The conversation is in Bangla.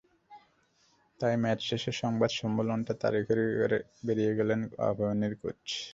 তাই ম্যাচ শেষের সংবাদ সম্মেলনটা তড়িঘড়ি সেরে বেরিয়ে গেলেন আবাহনীর কোচ।